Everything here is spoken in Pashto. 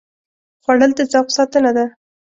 خوړل د ذوق ساتنه ده